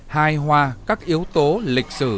hài hòa các yếu tố lịch sử